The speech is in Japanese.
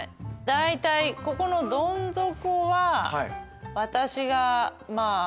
大体ここのどん底は私がまぁ。